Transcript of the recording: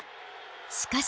しかし